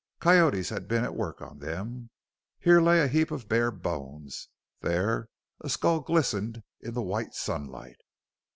Coyotes had been at work on them; here lay a heap of bare bones; there a skull glistened in the white sunlight.